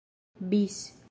bis